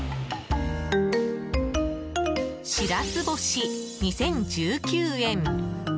しらす干し、２０１９円。